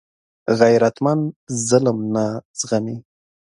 غیرتمند ظلم نه زغمي